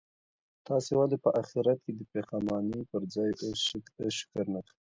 تاسي ولي په اخیرت کي د پښېمانۍ پر ځای اوس شکر نه کوئ؟